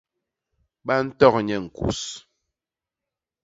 Ba ntok nye ñkus.